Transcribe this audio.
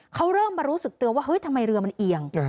เขาเริ่มมารู้สึกเตือนว่าเฮ้ยทำไมเรือมันเอียง